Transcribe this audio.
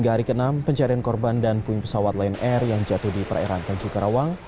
sejak pagi ini penyisiran yang dilakukan di jt enam ratus sepuluh di perairan tanjung karawang